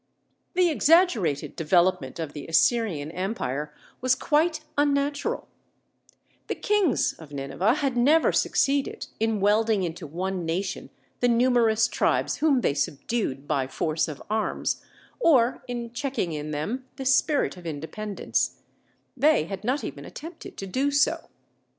The exaggerated development of the Assyrian empire was quite unnatural; the kings of Nineveh had never succeeded in welding into one nation the numerous tribes whom they subdued by force of arms, or in checking in them the spirit of independence; they had not even attempted to do so.